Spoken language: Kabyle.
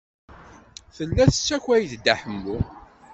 Tella tessakay-d Dda Ḥemmu.